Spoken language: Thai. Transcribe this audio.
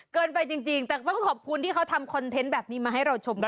เกินไปจริงแต่ต้องขอบคุณที่เขาทำคอนเทนต์แบบนี้มาให้เราชมด้วย